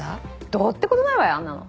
どうって事ないわよあんなの。